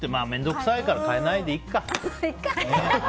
面倒くさいから変えないでいいか。